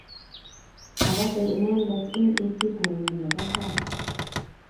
Magase inendet eng itit nenyi nebo tai